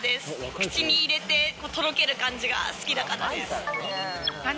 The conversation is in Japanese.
口に入れて、とろける感じが好きだからです。